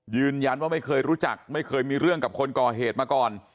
ไม่เคยรู้จักไม่เคยมีเรื่องกับคนก่อเหตุมาก่อน